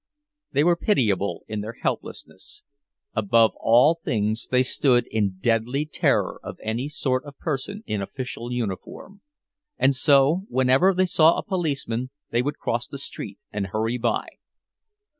They were pitiable in their helplessness; above all things they stood in deadly terror of any sort of person in official uniform, and so whenever they saw a policeman they would cross the street and hurry by.